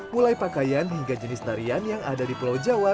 mulai pakaian hingga jenis tarian yang ada di pulau jawa